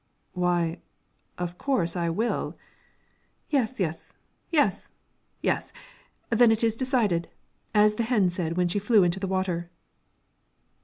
"Why, of course, I will." "Yes, yes, yes, yes; then it is decided, as the hen said when she flew into the water."